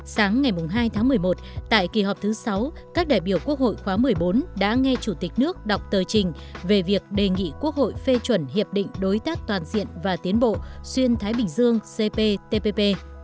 sáng ngày hai tháng một mươi một tại kỳ họp thứ sáu các đại biểu quốc hội khóa một mươi bốn đã nghe chủ tịch nước đọc tờ trình về việc đề nghị quốc hội phê chuẩn hiệp định đối tác toàn diện và tiến bộ xuyên thái bình dương cptpp